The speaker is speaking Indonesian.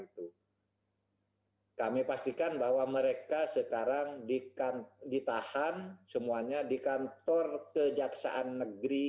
itu kami pastikan bahwa mereka sekarang di kan ditahan semuanya di kantor kejaksaan negeri